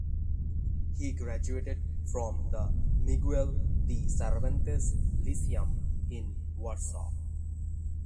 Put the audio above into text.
He graduated from the Miguel de Cervantes Liceum in Warsaw.